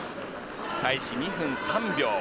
開始２分３秒。